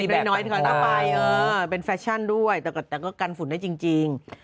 ใบน้อยก่อนก็ไปเป็นแฟชั่นด้วยแต่ก็กันฝุ่นได้จริง